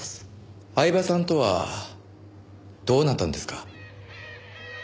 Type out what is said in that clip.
饗庭さんとはどうなったんですか？